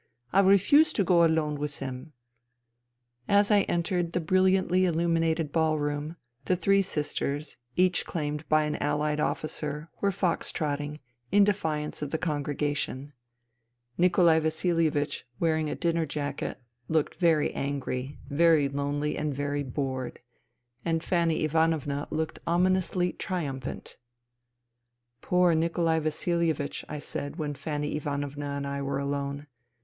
I refuse to go alone with them." As I entered the brilliantly illuminated ball room, the three sisters, each claimed by an Allied officer, were fox trotting, in defiance of the congregation. INTERVENING IN SIBERIA 131 Nikolai Vasilievich, wearing a dinner jacket, looked very angry, very lonely and very bored ; and Fanny Ivanovna looked ominously triumphant. " Poor Nikolai Vasilievich I I said when Fanny Ivanovna and I were alone.